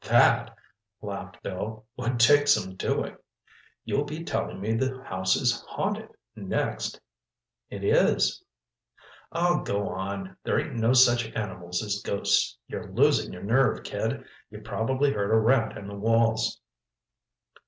"That," laughed Bill, "would take some doing! You'll be telling me the house is haunted, next!" "It is." "Oh, go on—there ain't no such animals as ghosts. You're losing your nerve, kid. You probably heard a rat in the walls."